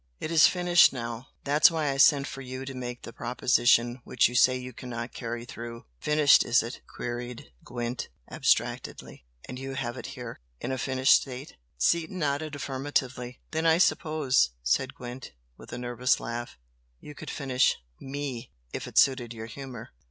It is finished now. That's why I sent for you to make the proposition which you say you cannot carry through." "Finished, is it?" queried Gwent, abstractedly "And you have it here? in a finished state?" Seaton nodded affirmatively. "Then I suppose" said Gwent with a nervous laugh "you could 'finish' ME, if it suited your humour?"